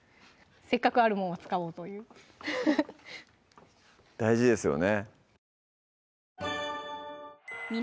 せっかくあるもんは使おうという大事ですよね